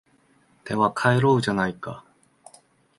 では帰ろうじゃないか